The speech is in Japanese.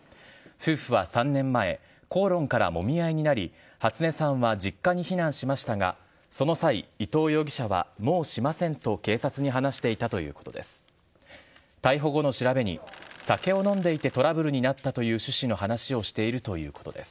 夫婦は３年前、口論からもみ合いになり、初音さんは実家に避難しましたが、その際、伊藤容疑者はもうしませんと警察に話していたということです。